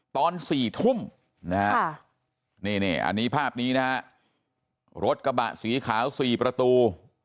ตอนสี่ทุ่มนะนี่นี่พาบนี้นะฮะรถกระบะสีขาว๔ประตู